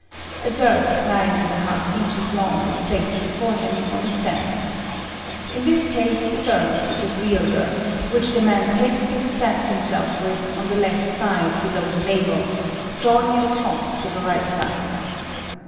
A dirk nine and a half inches long is placed before him on a stand. In this case the dirk is a real dirk, which the man takes and stabs himself with on the left side, below the navel, drawing it across to the right side.